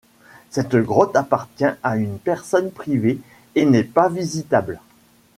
Cette grotte appartient à une personne privée et n'est pas visitable.